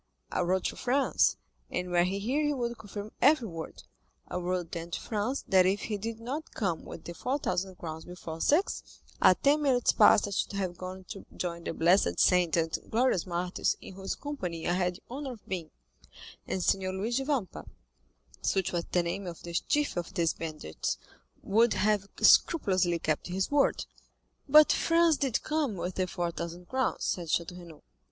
I wrote to Franz—and were he here he would confirm every word—I wrote then to Franz that if he did not come with the four thousand crowns before six, at ten minutes past I should have gone to join the blessed saints and glorious martyrs in whose company I had the honor of being; and Signor Luigi Vampa, such was the name of the chief of these bandits, would have scrupulously kept his word." "But Franz did come with the four thousand crowns," said Château Renaud.